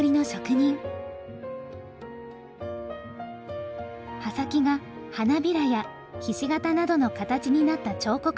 刃先が花びらや菱形などの形になった彫刻刀で彫る技法です。